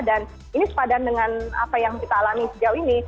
dan ini sepadan dengan apa yang kita alami sejauh ini